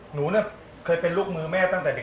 หนูเนี่ยเคยเป็นลูกมือแม่ตั้งแต่เด็ก